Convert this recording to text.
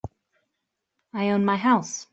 I own my own house.